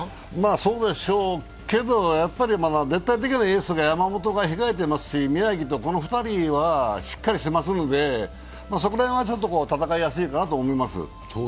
そうでしょうけど、絶対的なエース・山本が控えてますし宮城とこの２人はしっかりしていますので、そこら辺は戦いやすいかなと思います。